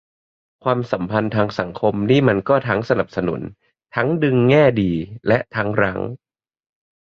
ความสัมพันธ์ทางสังคมนี่มันก็ทั้งสนับสนุน ทั้งดึง แง่ดี และทั้งรั้ง